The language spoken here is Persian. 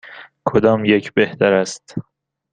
کدام یک بهتر است؟